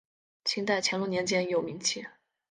清代乾隆年间已有名气。